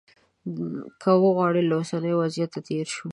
که وغواړو له اوسني وضعیته تېر شو.